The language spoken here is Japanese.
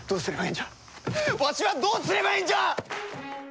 んじゃわしはどうすればええんじゃ！